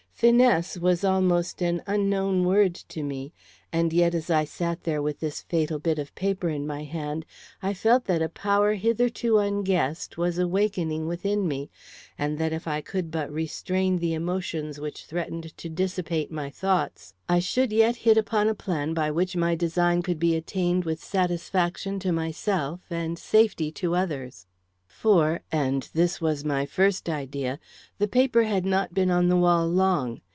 Finesse was almost an unknown word to me, and yet, as I sat there with this fatal bit of paper in my hand, I felt that a power hitherto unguessed was awakening within me, and that if I could but restrain the emotions which threatened to dissipate my thoughts, I should yet hit upon a plan by which my design could be attained with satisfaction to myself and safety to others. For and this was my first idea the paper had not been on the wall long.